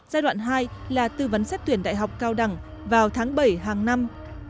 giai đoạn hai là tư vấn xét tuyển đại học cao đẳng vào tháng bảy hàng năm